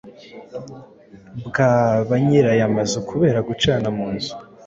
bwa ba nyir’aya mazu kubera gucana mu nzu